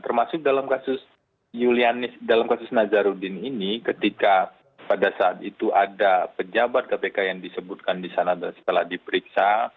termasuk dalam kasus nazruddin ini ketika pada saat itu ada pejabat kpk yang disebutkan di sana dan setelah diperiksa